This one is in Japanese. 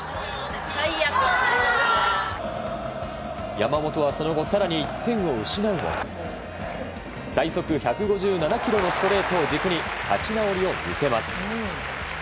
山本はその後、更に１点を失うも最速１５７キロのストレートを軸に立ち直りを見せます。